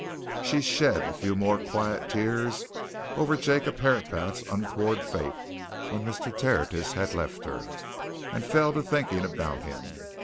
She shed a few more quiet tears over Jacob Herapath's untoward fate when Mr. Tertius had left her and fell to thinking about him.